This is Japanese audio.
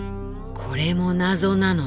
これも謎なのね。